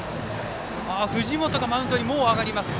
藤本がマウンドにもう上がります。